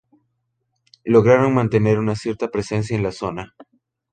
Lograron mantener una cierta presencia en la zona.